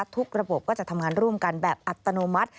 ระบบก็จะทำงานร่วมกันแบบอัตโนมัติ